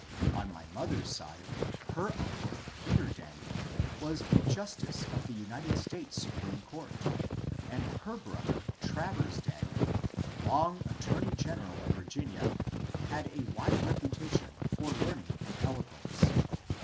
On my mother's side, her uncle Peter Daniel was a justice of the United States Supreme Court, and her brother Travers Daniel, long attorney general of Virginia, had a wide reputation for learning and eloquence.